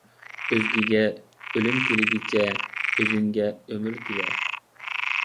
ئۆزگىگە ئۆلۈم تىلىگىچە، ئۆزۈڭگە ئۆمۈر تىلە.